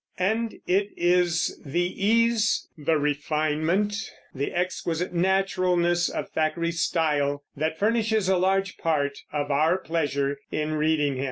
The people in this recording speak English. And it is the ease, the refinement, the exquisite naturalness of Thackeray's style that furnishes a large part of our pleasure in reading him.